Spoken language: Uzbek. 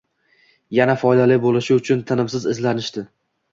Yana foydali bo‘lishi uchun tinimsiz izlanishdi.